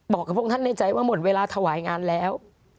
กับพวกท่านในใจว่าหมดเวลาถวายงานแล้ว